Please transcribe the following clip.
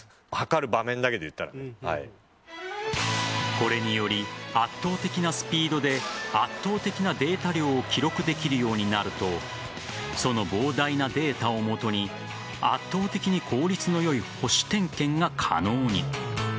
これにより圧倒的なスピードで圧倒的なデータ量を記録できるようになるとその膨大なデータをもとに圧倒的に効率の良い保守点検が可能に。